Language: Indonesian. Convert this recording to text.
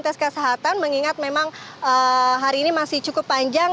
tes kesehatan mengingat memang hari ini masih cukup panjang